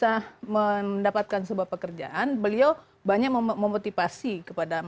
beliau bisa mendapatkan sebuah pekerjaan beliau banyak memotivasi kepada mahasiswa untuk berputar presiden